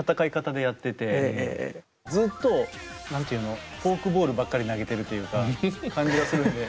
ずっと何て言うのフォークボールばっかり投げているというか感じがするんで。